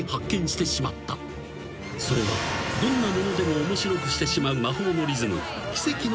［それはどんなものでも面白くしてしまう魔法のリズム］